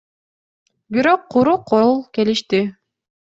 Бирок куру кол келишти.